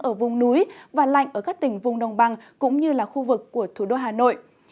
ở vùng núi và lạnh ở các tỉnh vùng đồng bằng cũng như là khu vực của thủ đô hà nội